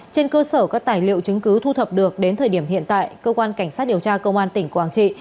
trên cơ sở các tài liệu chứng cứ thu thập được đến thời điểm hiện tại cơ quan cảnh sát điều tra công an tỉnh quảng trị